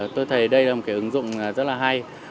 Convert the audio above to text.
tôi thấy đây là một cái ứng dụng rất là hay